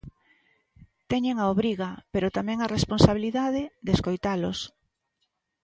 Teñen a obriga, pero tamén a responsabilidade, de escoitalos.